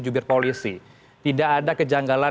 jubir polisi tidak ada kejanggalan